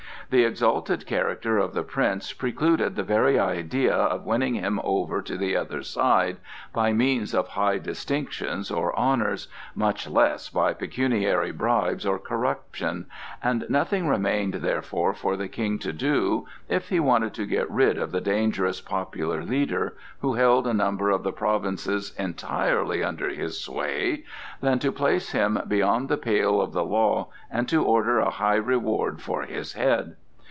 The exalted character of the Prince precluded the very idea of winning him over to the other side by means of high distinctions or honors, much less by pecuniary bribes or corruption, and nothing remained therefore for the King to do, if he wanted to get rid of the dangerous popular leader, who held a number of the provinces entirely under his sway, than to place him beyond the pale of the law and to offer a high reward for his head.